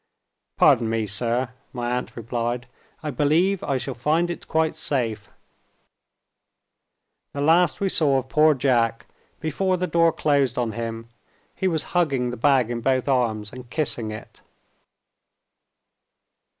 "Pardon me, sir," my aunt replied; "I believe I shall find it quite safe." The last we saw of poor Jack, before the door closed on him, he was hugging the bag in both arms, and kissing it.